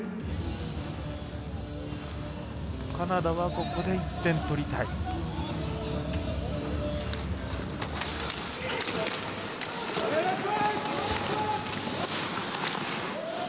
カナダはここで１点取りたい。